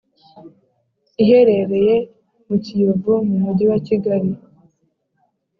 , iherereye mu Kiyovu mu Mujyi wa Kigali